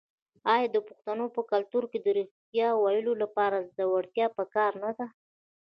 آیا د پښتنو په کلتور کې د ریښتیا ویلو لپاره زړورتیا پکار نه ده؟